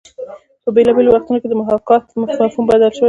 په بېلابېلو وختونو کې د محاکات مفهوم بدل شوی دی